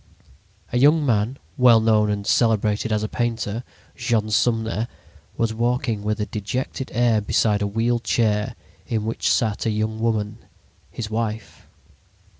A young man, well known and celebrated as a painter, Jean Sumner, was walking with a dejected air beside a wheeled chair in which sat a young woman, his wife.